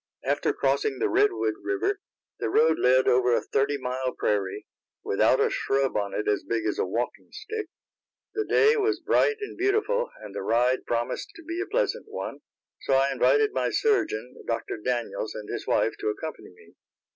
After crossing the Redwood river, the road led over a thirty mile prairie, without a shrub on it as big as a walking stick. The day was bright and beautiful, and the ride promised to be a pleasant one, so I invited my surgeon, Dr. Daniels, and his wife to accompany me.